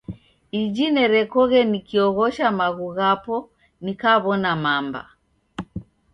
Iji nerekoghe nikioghosha maghu ghapo nikaw'ona mamba.